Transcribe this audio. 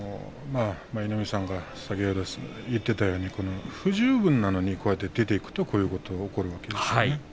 舞の海さんが先ほど言っていたように不十分なのに出ていくとこういうことが起こるんですね。